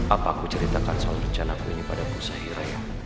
apa aku ceritakan soal rencanaku ini pada bu sahiraya